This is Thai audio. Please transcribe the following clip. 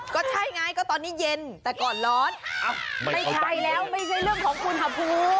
ก็ใช่ไงก็ตอนนี้เย็นแต่ก่อนร้อนไม่ใช่แล้วไม่ใช่เรื่องของอุณหภูมิ